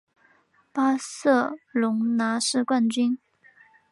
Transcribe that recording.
巴塞隆拿是冠军。